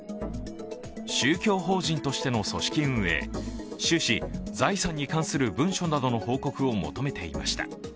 宗教法人としての組織運営、収支・財産に関する文書などの報告を求めていました。